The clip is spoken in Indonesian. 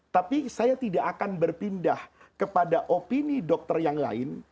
tapi saya tidak akan berpindah kepada opini dokter yang lain